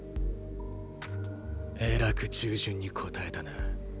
えらく従順に答えたな。